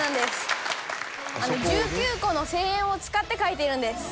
１９個の正円を使って描いているんです。